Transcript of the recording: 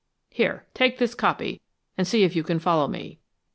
Here, take this copy, and see if you can follow me."